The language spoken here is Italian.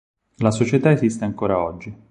La Società esiste ancora oggi.